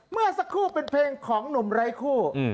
เมื่อสักครู่เป็นเพลงของหนุ่มไร้คู่